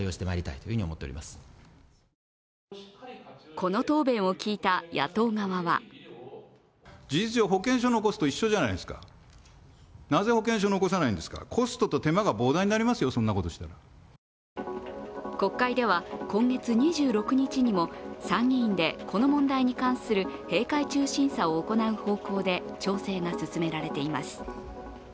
この答弁を聞いた野党側は国会では今月２６日にも参議院でこの問題に関する閉会中審査を行う方向で調整が進められています。